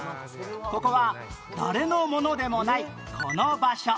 ここは「誰のものでもないこの場所」